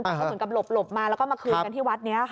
แต่เขาถึงกำลบมาแล้วก็มาคืนกันที่วัดนี้ค่ะ